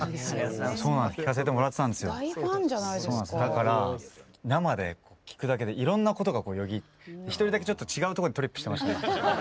だから生で聴くだけでいろんなことがよぎって一人だけちょっと違うとこにトリップしてました。